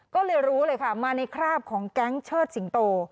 ก็เลยรู้เลยค่ะมาในคราบของแก๊งเชิดสิงโต